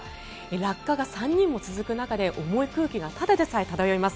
落下が３人も続く中で重い空気がただでさえ漂います。